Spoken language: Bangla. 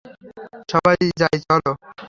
সবাই যাই চলো!